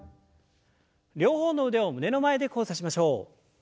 両方の腕を胸の前で交差しましょう。